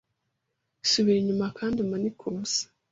subira inyuma kandi umanike ubusa.